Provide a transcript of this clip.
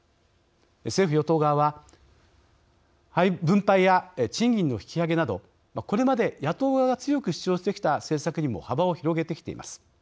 政府・与党側は分配や賃金の引き上げなどこれまで野党側が強く主張してきた政策にも幅を広げてきています。